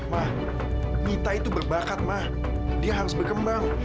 ma mita itu berbakat ma dia harus berkembang